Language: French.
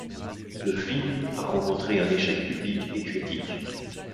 Le film a rencontré un échec public et critique.